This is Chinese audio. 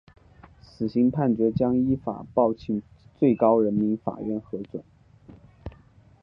死刑判决将依法报请最高人民法院核准。